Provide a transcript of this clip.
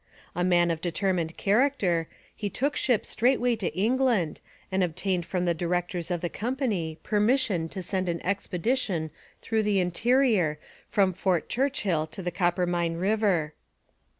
A man of determined character, he took ship straightway to England and obtained from the directors of the company permission to send an expedition through the interior from Fort Churchill to the Coppermine river.